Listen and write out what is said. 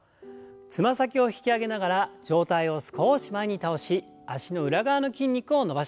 つま先を引き上げながら上体を少し前に倒し脚の裏側の筋肉を伸ばします。